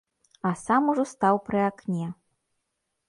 А сам ужо стаў пры акне.